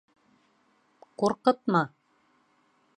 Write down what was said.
Ҡурҡытма!